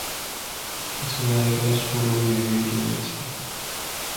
কিছু জায়গায় সরু গিরি রয়েছে।